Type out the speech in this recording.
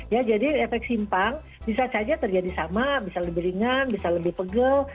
ya jadi efek simpang bisa saja terjadi sama bisa lebih ringan bisa lebih pegel